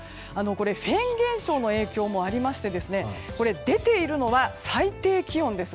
フェーン現象の影響もありまして出ているのは最低気温です。